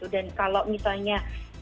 dan kalau misalnya